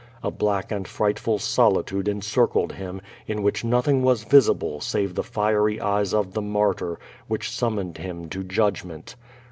A black and frightful solitude encircled him, in which nothing was visible save the fiery eyes of the martyr, which summoned him to judgment.